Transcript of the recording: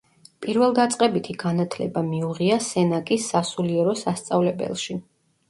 პირველდაწყებითი განათლება მიუღია სენაკის სასულიერო სასწავლებელში.